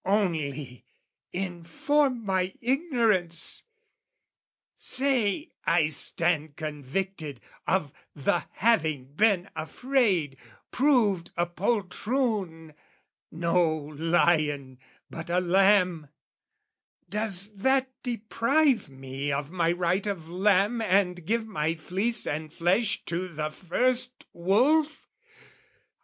Only, inform my ignorance! Say I stand Convicted of the having been afraid, Proved a poltroon, no lion but a lamb, Does that deprive me of my right of lamb And give my fleece and flesh to the first wolf?